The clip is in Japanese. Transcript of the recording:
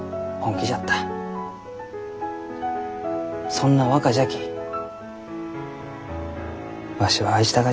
そんな若じゃきわしは愛したがじゃ。